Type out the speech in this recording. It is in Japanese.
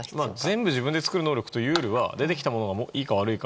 全部自分で作る能力というよりは出てきたものがいいか悪いか。